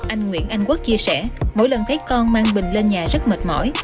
anh nguyễn anh quốc chia sẻ mỗi lần thấy con mang bình lên nhà rất mệt mỏi